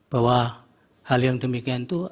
bahwa hal yang demikian itu